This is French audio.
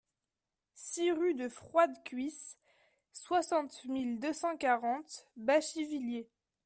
six rue de Froide Cuisse, soixante mille deux cent quarante Bachivillers